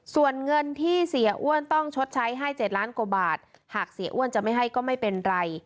ส่วนเงินที่เสียอ้วนต้องชดใช้ให้๗ล้านกว่าบาทหากเสียอ้วนจะไม่ให้ก็ไม่เป็นไร